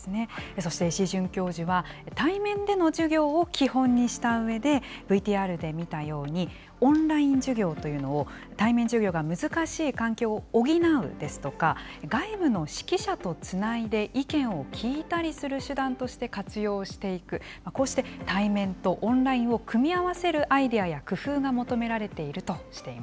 そして石井准教授は、対面での授業を基本にしたうえで、ＶＴＲで見たように、オンライン授業というのを、対面授業が難しい環境を補うですとか、外部の識者とつないで意見を聞いたりする手段として活用していく、こうして対面とオンラインを組み合わせるアイデアや工夫が求めら